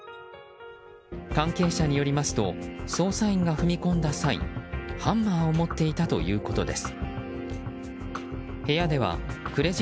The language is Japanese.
関係者によりますと捜査員が踏み込んだ際ハンマーを持っていたということです。